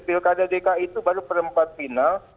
pilkada dki itu baru perempat final